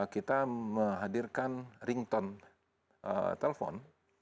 kita menghadirkan ringtone telepon